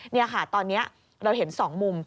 นี่ค่ะตอนนี้เราเห็น๒มุม